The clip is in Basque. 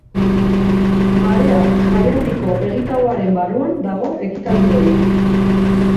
Mareak jaialdiko egitarauaren barruan dago ekitaldi hori.